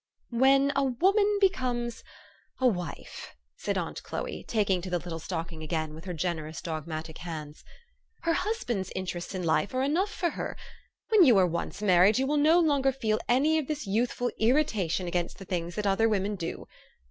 " When a woman becomes a wife," said aunt Chloe, taking to the little stocking again with her generous, dogmatic hands, " her husband's interests in life are enough for her. When you are once married, you will no longer feel any of this youthful irritation against the things that other women do.